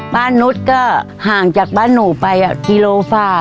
บ้านนุ๊ดก็ห่างจากบ้านหนูไปกิโลฟา